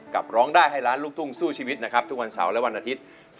ร้องได้ให้ล้านลูกทุ่งสู้ชีวิตนะครับทุกวันเสาร์และวันอาทิตย์